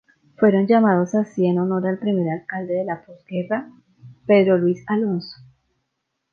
Fueron llamados así en honor al primer alcalde de la postguerra, Pedro Luis Alonso.